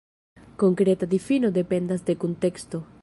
Konkreta difino dependas de kunteksto.